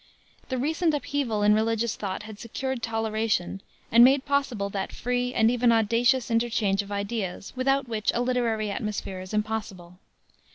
The recent upheaval in religious thought had secured toleration, and made possible that free and even audacious interchange of ideas without which a literary atmosphere is impossible.